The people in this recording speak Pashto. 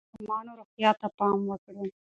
د ماشومانو روغتیا ته پام وکړئ.